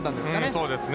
そうですね。